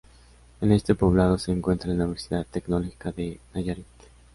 En este poblado se encuentra la Universidad Tecnológica de Nayarit.